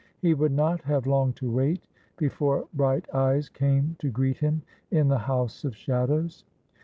He would not have long to wait before bright eyes came to greet him in the House of Shadows.